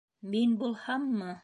Мин булһаммы!